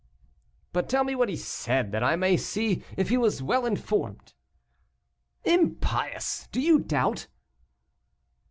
"But tell me what he said, that I may see if he was well informed?" "Impious! do you doubt?"